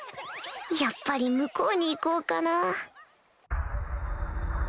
・やっぱり向こうに行こうかな